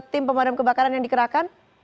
tim pemadam kebakaran yang dikerahkan